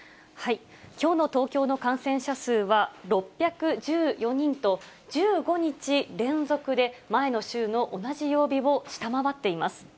きょうの東京の感染者数は６１４人と、１５日連続で前の週の同じ曜日を下回っています。